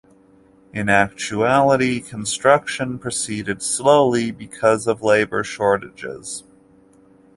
In actuality, construction proceeded slowly because of labor shortages.